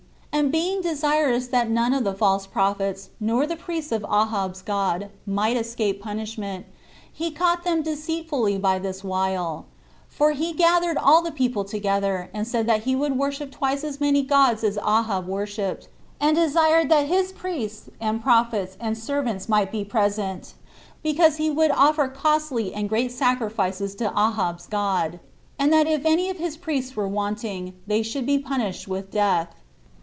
And being desirous that none of the false prophets, nor the priests of Ahab's god, might escape punishment, he caught them deceitfully by this wile; for he gathered all the people together, and said that he would worship twice as many gods as Ahab worshipped, and desired that his priests, and prophets, and servants might be present, because he would offer costly and great sacrifices to Ahab's god; and that if any of his priests were wanting, they should be punished with death.